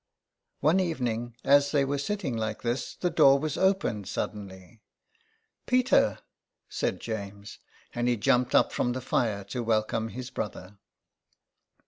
Oa^ evening, as they were sitting hke this, the door was opened sud denly. '' Peter !" said James. And he jumped up from the fire to welcome his brother.